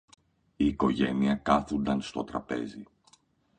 Η οικογένεια κάθουνταν στο τραπέζι